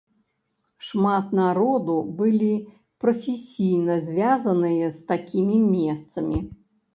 Шмат народу былі прафесійна звязаныя з такімі месцамі.